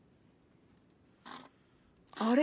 あれ？